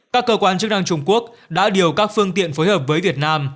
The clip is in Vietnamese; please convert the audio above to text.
các cơ quan chức năng trung quốc đã điều các phương tiện phối hợp với việt nam